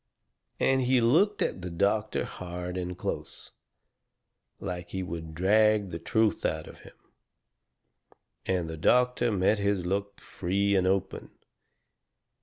And he looked at the doctor hard and close, like he would drag the truth out of him, and the doctor met his look free and open.